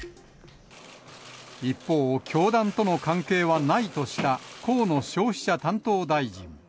一方、教団との関係はないとした、河野消費者担当大臣。